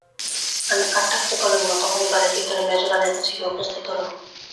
আর থাকতে পারলুম না, তখনই বাড়ি-ভিতরে মেজোরানীর কাছে গিয়ে উপস্থিত হলুম।